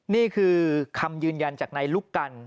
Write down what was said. นี่คือคำยืนยันจากนายลุกกัน